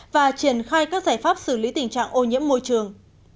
và triển khai các giải pháp xử lý tình trạng ô nhiễm môi trường